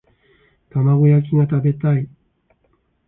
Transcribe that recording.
玉子焼きが食べたい